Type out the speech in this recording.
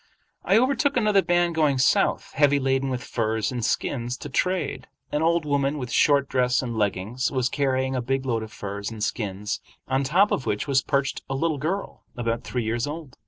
I overtook another band going south, heavy laden with furs and skins to trade. An old woman, with short dress and leggings, was carrying a big load of furs and skins, on top of which was perched a little girl about three years old.